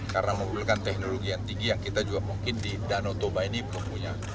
karena membutuhkan teknologi yang tinggi yang kita juga mungkin di danau toba ini pun punya